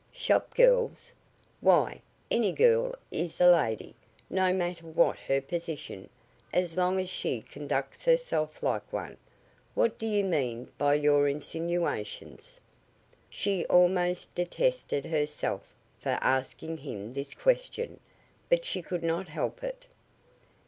"Shop girls? Why, any girl is a lady, no matter what her position, as long as she conducts herself like one. What do you mean by your insinuations?" She almost detested herself for asking him this question, but she could not help it.